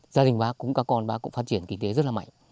gia đình bác cũng các con bác cũng phát triển kinh tế rất là mạnh